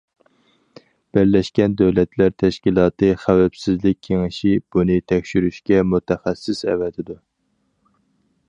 بىرلەشكەن دۆلەتلەر تەشكىلاتى خەۋپسىزلىك كېڭىشى بۇنى تەكشۈرۈشكە مۇتەخەسسىس ئەۋەتىدۇ.